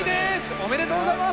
おめでとうございます。